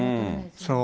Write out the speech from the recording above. そう。